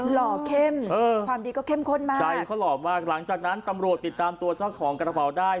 หล่อเข้มเออความดีก็เข้มข้นมากใจเขาหล่อมากหลังจากนั้นตำรวจติดตามตัวเจ้าของกระเป๋าได้